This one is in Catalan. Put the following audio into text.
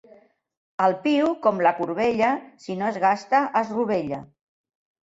El piu, com la corbella, si no es gasta es rovella.